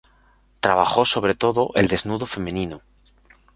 Trabajó sobre todo el desnudo femenino.